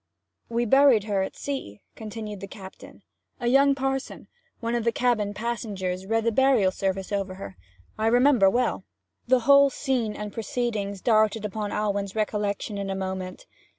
'We buried her at sea,' continued the captain. 'A young parson, one of the cabin passengers, read the burial service over her, I remember well.' The whole scene and proceedings darted upon Alwyn's recollection in a moment.